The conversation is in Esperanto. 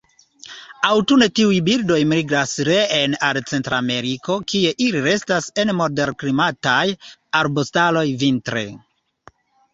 Aŭtune tiuj birdoj migras reen al Centrameriko, kie ili restas en moderklimataj arbustaroj vintre.